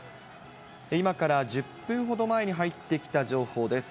今から１０分ほど前に入ってきた情報です。